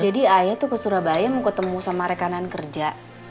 jadi ayah tuh ke surabaya mau ketemu sama rekanan kerja